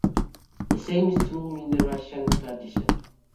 The same is true in the Russian tradition.